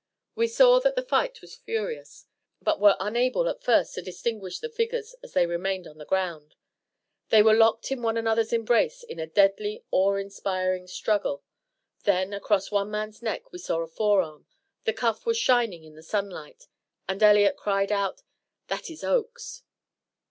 We saw that the fight was furious, but were unable at first to distinguish the figures as they remained on the ground. They were locked in one another's embrace in a deadly, awe inspiring struggle. Then across one man's neck we saw a forearm the cuff was shining in the sunlight and Elliott cried out: "That is Oakes."